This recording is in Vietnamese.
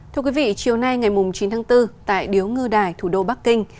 thưa quý vị chiều nay ngày chín tháng bốn tại điếu ngư đài thủ đô bắc kinh